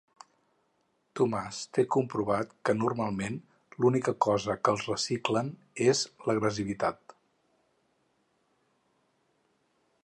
Tomàs té comprovat que normalment l'única cosa que els reciclen és l'agressivitat.